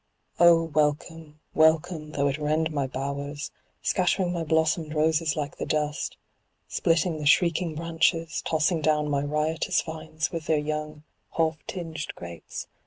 Oh welcome, welcome, though it rend my bowers, scattering my blossomed roses like the dust, splitting the shrieking branches, tossing down my riotous vines with their young half tinged grapes CIRCE.